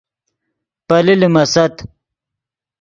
پیلے لیمیست